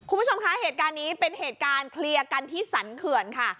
คุณผู้ชมคะเหตุการณ์นี้เป็นเหตุการณ์เคลียร์กันที่สรรเขื่อนค่ะ